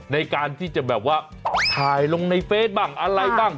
ในการที่จะแบบว่าถ่ายลงในเฟซบ้างอะไรบ้าง